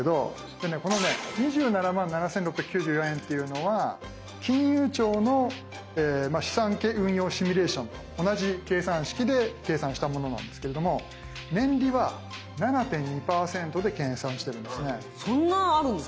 でねこのね２７万７，６９４円っていうのは金融庁の資産運用シミュレーションと同じ計算式で計算したものなんですけれども年利は７．２％で計算してるんですね。